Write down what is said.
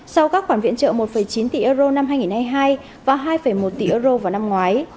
sau các khoản viện trợ một chín tỷ euro năm hai nghìn hai mươi hai và hai một tỷ euro vào năm ngoái